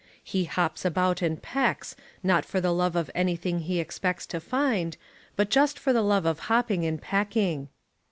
He hops about and pecks, not for the love of any thing he expects to find, but just for the love of hopping and pecking.